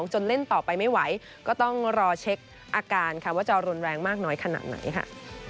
เล่นต่อไปไม่ไหวก็ต้องรอเช็คอาการค่ะว่าจะรุนแรงมากน้อยขนาดไหนค่ะ